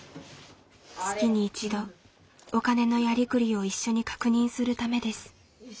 月に一度お金のやりくりを一緒に確認するためです。